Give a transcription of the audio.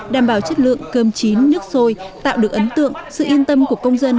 đảm bảo chất lượng cơm chín nước sôi tạo được ấn tượng sự yên tâm của công dân